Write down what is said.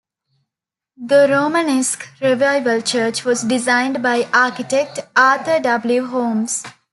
The Romanesque Revival church was designed by architect Arthur W. Holmes.